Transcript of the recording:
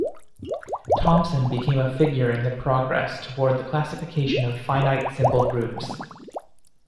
Thompson became a figure in the progress toward the classification of finite simple groups.